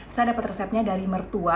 saya dapat resepnya dari mertua